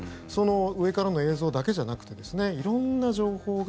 上からの映像だけじゃなくて色んな情報が